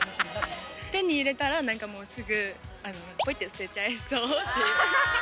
手に入れたら、なんかすぐ、ぽいって捨てちゃいそう。